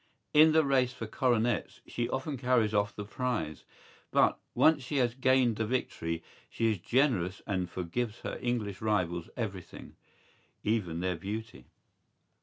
¬Ý In the race for coronets she often carries off the prize; but, once she has gained the victory, she is generous and forgives her English rivals everything, even their beauty.